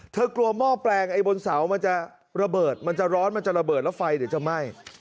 กลัวหม้อแปลงไอ้บนเสามันจะระเบิดมันจะร้อนมันจะระเบิดแล้วไฟเดี๋ยวจะไหม้